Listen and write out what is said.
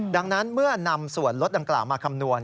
ดังนั้นเมื่อนำส่วนลดดังกล่าวมาคำนวณ